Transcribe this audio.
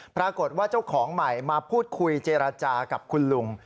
ปรากฏว่าเจ้าของใหม่มาพูดคุยเจรจากับคุณลุง